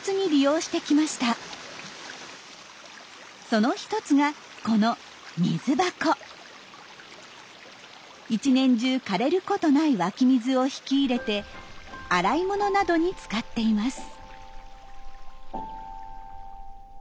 その一つがこの１年中かれることない湧き水を引き入れて洗い物などに使っています。